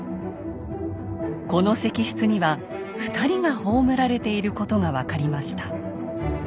この石室には２人が葬られていることが分かりました。